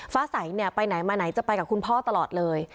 ฟ้าใสเนี่ยไปไหนมาไหนจะไปกับคุณพ่อตลอดเลย